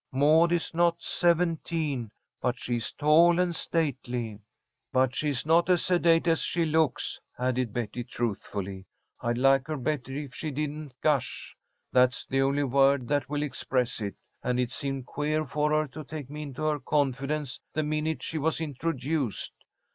Maud is not seventeen, But she is tall and stately.' "But she is not as sedate as she looks," added Betty, truthfully. "I'd like her better if she didn't gush. That's the only word that will express it. And it seemed queer for her to take me into her confidence the minute she was introduced.